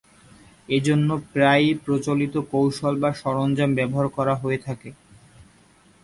এজন্য প্রায়ই প্রচলিত কৌশল বা সরঞ্জাম ব্যবহার করা হয়ে থাকে।